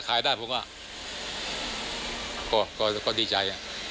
คิดที่ว่า